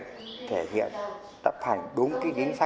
để thể hiện tập hành đúng cái điều kiện này